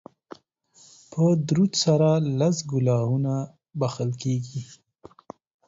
په درود سره لس ګناهونه بښل کیږي